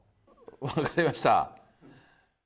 分かりました。